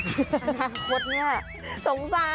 อนาคตเนี่ยสงสาร